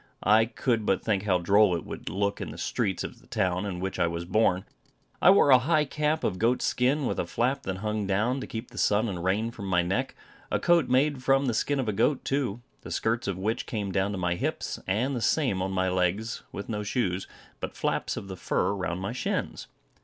I could but think how droll it would look in the streets of the town in which I was born. I wore a high cap of goat's skin, with a flap that hung, down, to keep the sun and rain from my neck, a coat made from the skin of a goat too, the skirts of which came down to my hips, and the same on my legs, with no shoes, but flaps of the fur round my shins.